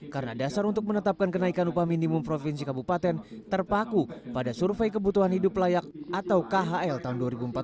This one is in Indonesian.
karena dasar untuk menetapkan kenaikan upah minimum provinsi kabupaten terpaku pada survei kebutuhan hidup layak atau khl tahun dua ribu empat belas